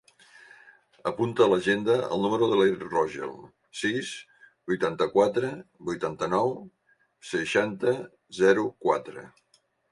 Apunta a l'agenda el número de l'Erick Rogel: sis, vuitanta-quatre, vuitanta-nou, seixanta, zero, quatre.